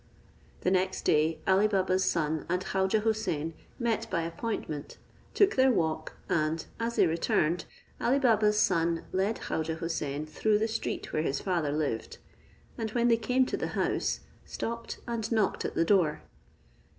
The next day Ali Baba's son and Khaujeh Houssain met by appointment, took their walk, and as they returned, Ali Baba's son led Khaujeh Houssain through the street where his father lived; and when they came to the house, stopped and knocked at the door.